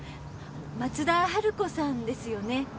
松田春子さんですよね？